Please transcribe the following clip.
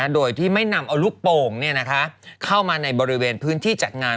โดยที่ไม่นำเอาลูกโป่งเข้ามาในบริเวณพื้นที่จัดงาน